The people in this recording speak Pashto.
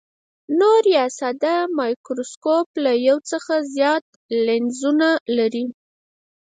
نوري یا ساده مایکروسکوپ له یو څخه زیات لینزونه لري.